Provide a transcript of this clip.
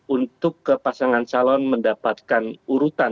untuk kepasangan calon mendapatkan urutan